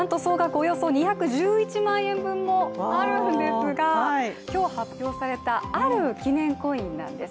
およそ２１１万円分もあるんですが今日発表された、ある記念コインなんです。